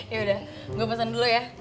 yaudah gue pesen dulu ya